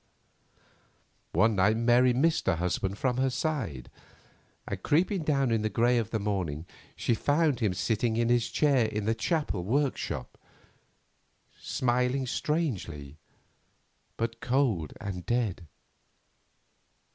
One night Mary missed her husband from her side, and creeping down in the grey of the morning, she found him sitting in his chair in the chapel workshop, smiling strangely, but cold and dead.